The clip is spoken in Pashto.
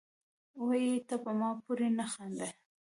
وې ئې " تۀ پۀ ما پورې نۀ خاندې،